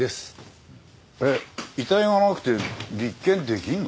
えっ遺体がなくて立件できんの？